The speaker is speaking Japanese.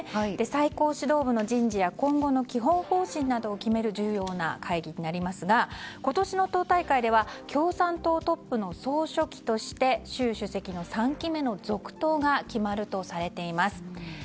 最高指導部の人事や今後の基本方針などを決める重要な会議になりますが今年の党大会では共産党トップの総書記として習主席の３期目の続投が決まるとされています。